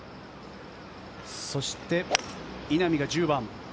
そして稲見が１０番。